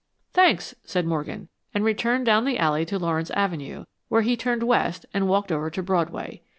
"Thanks," said Morgan, and returned down the alley to Lawrence Avenue where he turned west and walked over to Broadway.